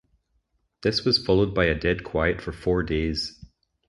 This was followed by a dead quiet for four days.